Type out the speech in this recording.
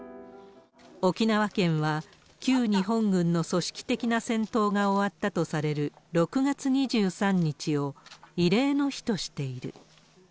沖縄県は、旧日本軍の組織的な戦闘が終わったとされる６月２３日を慰霊の日としている。